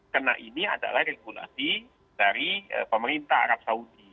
karena ini adalah regulasi dari pemerintah arab saudi